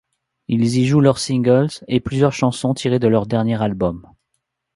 Ils y jouent leurs singles et plusieurs chansons tirées de leur dernier album.